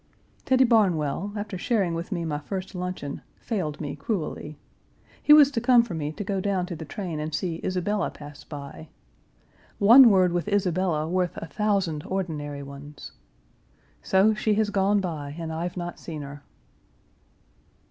Teddy Barnwell, after sharing with me my first luncheon, failed me cruelly. He was to come for me to go down to the train and see Isabella pass by. One word with Isabella worth a thousand ordinary ones! So, she has gone by and I've not seen her.